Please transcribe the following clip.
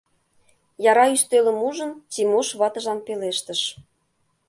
Яра ӱстелым ужын, Тимош ватыжлан пелештыш: